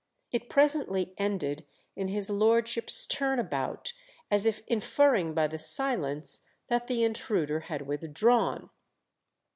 It presently ended in his lordship's turn about as if inferring by the silence that the intruder had withdrawn.